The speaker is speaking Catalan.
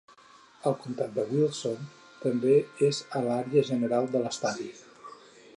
El comtat de Wilson també és a l'àrea general de l'estadi.